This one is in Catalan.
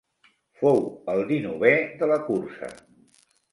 Fou el dinovè de la cursa.